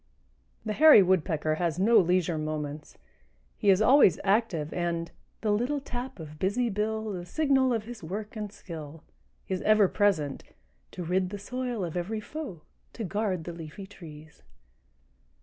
The Hairy Woodpecker has no leisure moments. He is always active and The little tap of busy bill The signal of his work and skill. is ever present To rid the soil of every foe, To guard the leafy trees.